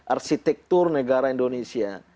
arsitektur negara indonesia